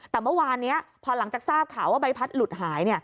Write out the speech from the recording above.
แต่เมื่อวานนี้พอหลังจากทราบข่าวว่าใบพัดหลุดหาย